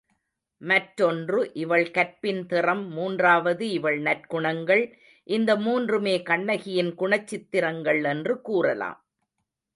மற்றொன்று இவள் கற்பின் திறம் மூன்றாவது இவள் நற்குணங்கள் இந்த மூன்றுமே கண்ணகியின் குணச் சித்திரங்கள் என்று கூறலாம்.